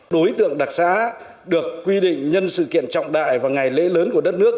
đối tượng đặc xá được quy định nhân sự kiện trọng đại và ngày lễ lớn của đất nước